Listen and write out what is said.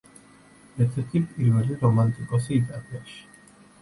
ერთ-ერთი პირველი რომანტიკოსი იტალიაში.